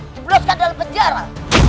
dibeloskan dalam penjara